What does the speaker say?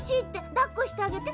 だっこしてあげて。